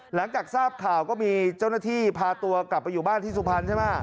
หลังจากทราบข่าวก็มีเจ้าหน้าที่พาตัวกลับไปอยู่บ้านที่สุพรรณใช่ไหม